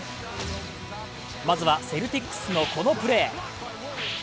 まずはセルティックスのこのプレー。